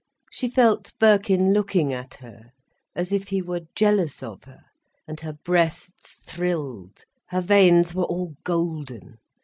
She felt Birkin looking at her, as if he were jealous of her, and her breasts thrilled, her veins were all golden.